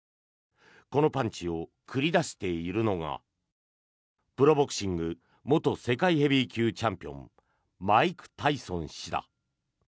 このパンチを繰り出しているのがプロボクシング元世界ヘビー級チャンピオンマイク・タイソン氏だ。